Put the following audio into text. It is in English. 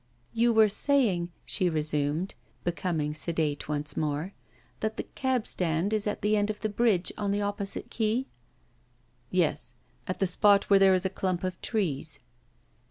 'You were saying,' she resumed, becoming sedate once more, 'that the cabstand is at the end of the bridge on the opposite quay?' 'Yes; at the spot where there is a clump of trees.